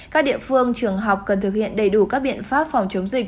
các địa phương trường học cần thực hiện đầy đủ các biện pháp phòng chống dịch